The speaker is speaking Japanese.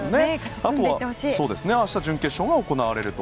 あとは、明日準決勝が行われると。